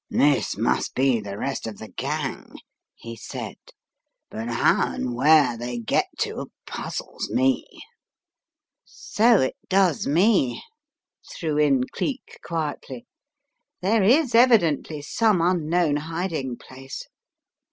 "This must be the rest of the gang," he said, "but how and where they get to puzzles me!" "So it does me," threw in Cleek, quietly. "There is evidently some unknown hiding place.